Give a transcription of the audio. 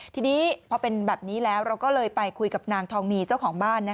ทีนี้พอเป็นแบบนี้แล้วเราก็เลยไปคุยกับนางทองมีเจ้าของบ้าน